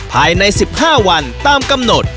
ภายใน๑๕วันตามกำหนด